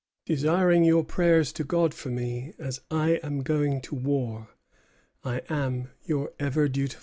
Desiring your prayers to God for me as I am going to war, I am Your Ever Dutiful son."